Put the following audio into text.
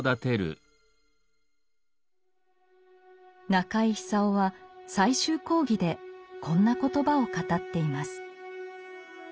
中井久夫は「最終講義」でこんな言葉を語っています。